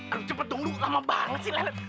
aduh cepet dong dulu lama banget sih lelat